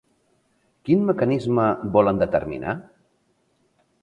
Quin mecanisme volen determinar?